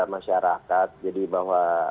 masyarakat jadi bahwa